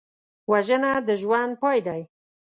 وژنه د ژوند پای دی